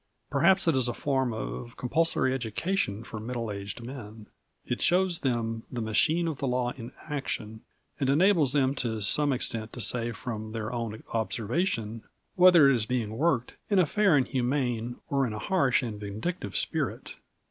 Perhaps it is a form of compulsory education for middle aged men. It shows them the machine of the law in action, and enables them to some extent to say from their own observation whether it is being worked in a fair and humane or in a harsh and vindictive spirit.